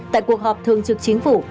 tại cuộc họp thường trực chính phủ